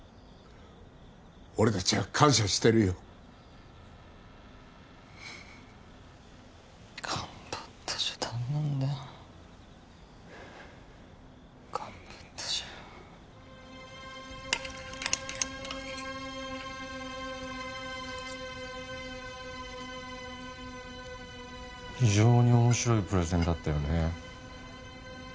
俺達は感謝してるよ頑張ったじゃダメなんだよ頑張ったじゃ非常に面白いプレゼンだったよね